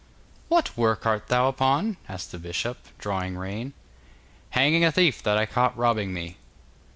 'What work art thou upon?' asked the bishop, drawing rein. 'Hanging a thief that I caught robbing me.